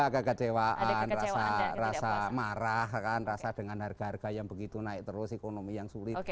kekecewaan rasa marah rasa dengan harga harga yang begitu naik terus ekonomi yang sulit